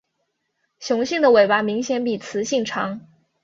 雄性的尾巴明显比雌性长。